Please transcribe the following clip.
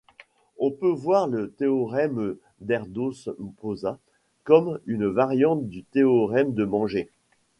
On peut voir le théorème d'Erdős–Pósa comme une variante du théorème de Menger.